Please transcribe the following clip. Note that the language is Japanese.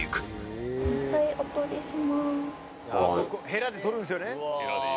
「ヘラで取るんですよね」